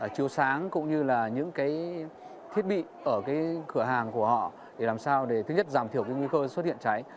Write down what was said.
chiếu sáng cũng như là những cái thiết bị ở cửa hàng của họ để làm sao để thứ nhất giảm thiểu nguy cơ xuất hiện cháy